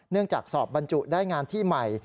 จากสอบบรรจุได้งานที่ใหม่